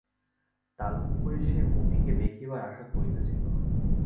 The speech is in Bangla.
তালপুকুরে সে মতিকে দেখিবার আশা করিতেছিল।